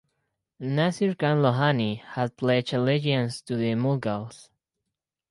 Nasir Khan Lohani had pledged allegiance to the Mughals.